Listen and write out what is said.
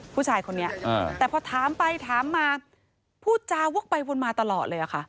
ผู้ชายคนนี้แต่พอถามไปถามมาพูดจาวกไปวนมาตลอดเลยค่ะ